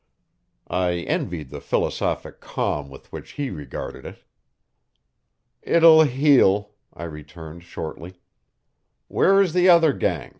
I envied the philosophic calm with which he regarded it. "It'll heal," I returned shortly. "Where is the other gang?